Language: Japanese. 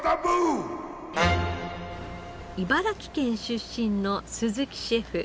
茨城県出身の鈴木シェフ。